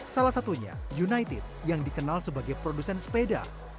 salah satunya united yang dikenal sebagai produsen sepeda